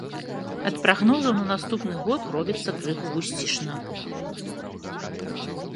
Ад прагнозаў на наступны год робіцца крыху вусцішна.